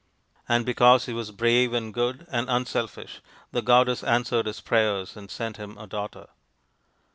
And because he was brave and good and unselfish the goddess answered his prayers and sent him a daughter.